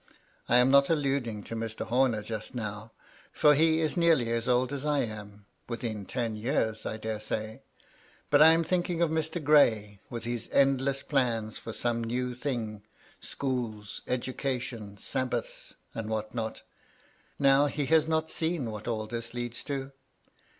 I am not alluding to Mr. Homer just now, for he is nearly as old as I am— within ten years, I daresay — ^but I am thinking of Mr. Gray, with his endless plans for some new thing — schools, education. Sabbaths, and what not. Now he has not seen what all this leads to."